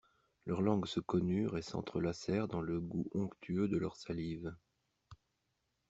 Leurs langues se connurent et s'entrelacèrent dans le goût onctueux de leurs salives.